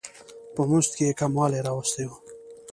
په مزد کې یې کموالی راوستی و.